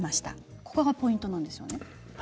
ここがポイントなんですよね。